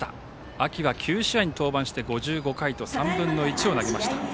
秋は９試合に登板して５５回と３分の１を投げました。